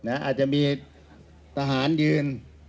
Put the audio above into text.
อาจจะมีทหารยืน